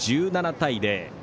１７対０。